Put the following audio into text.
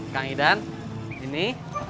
kang idan ini